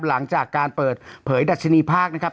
หลังจากการเปิดเผยดัชนีภาคนะครับ